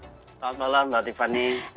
selamat malam mbak tiffany